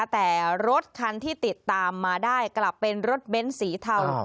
แต่รถคันที่ติดตามมาได้กลับเป็นรถเบ้นสีเทา